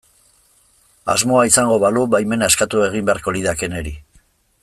Asmoa izango balu baimena eskatu egin beharko lidake niri.